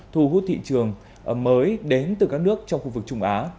thu hút thị trường mới đến từ các nước trong khu vực trung á